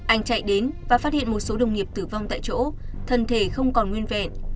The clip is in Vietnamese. anh chạy đến và phát hiện một số đồng nghiệp tử vong tại chỗ thân thể không còn nguyên vẹn